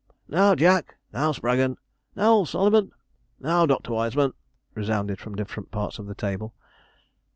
'Now, Jack!' 'Now, Spraggon!' 'Now, old Solomon!' 'Now, Doctor Wiseman,' resounded from different parts of the table.